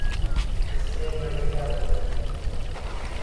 اس سے بڑی کیا ہو سکتی ہے؟